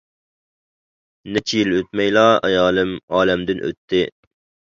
نەچچە يىل ئۆتمەيلا ئايالىم ئالەمدىن ئۆتتى!